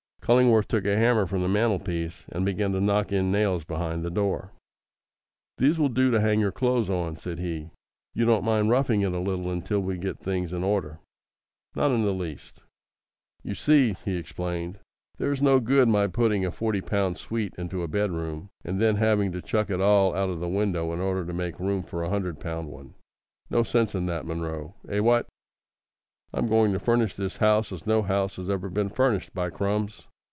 Cullingworth took a hammer from the mantelpiece, and began to knock in nails behind the door. "These will do to hang your clothes on," said he; "you don't mind roughing it a little until we get things in order?" "Not in the least." "You see," he explained, "there's no good my putting a forty pound suite into a bed room, and then having to chuck it all out of the window in order to make room for a hundred pound one. No sense in that, Munro! Eh, what! I'm going to furnish this house as no house has ever been furnished. By Crums!